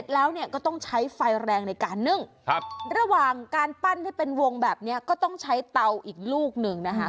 ๑ระหว่างการปั้นให้เป็นวงแบบนี้ก็ต้องใช้เรืออีกลูกนิดหนึ่งนะคะ